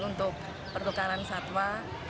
untuk pertukaran satwa